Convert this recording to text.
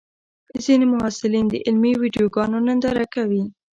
ځینې محصلین د علمي ویډیوګانو ننداره کوي.